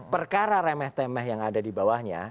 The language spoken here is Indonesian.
perkara remeh temeh yang ada di bawahnya